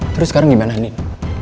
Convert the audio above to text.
terus sekarang gimana din